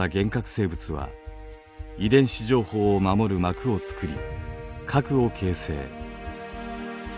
生物は遺伝子情報を守る膜をつくり核を形成。